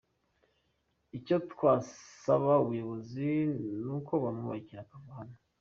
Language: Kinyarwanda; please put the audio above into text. Icyo twasaba ubuyobozi ni uko bamwubakira akava hano.